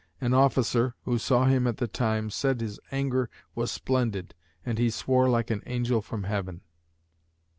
An officer, who saw him at the time, said his anger was splendid and he "swore like an angel from heaven."